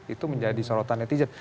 itu menjadi sorotan netizen